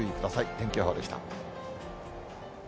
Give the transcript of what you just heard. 天気予報でした。